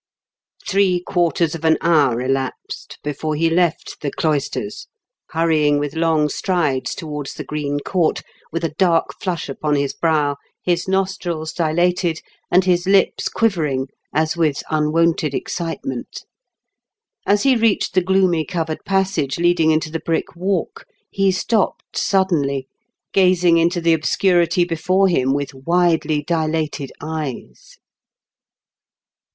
Three quarters of an hour elapsed before he left the cloisters, hurrying with long strides towards the Green Court, with a dark flush upon his brow, his nostrils dilated, and his lips quivering as with unwonted excitement. As he reached the gloomy covered passage leading into the Brick Walk he stopped suddenly, gazing into the obscurity before him with widely dilated eyes.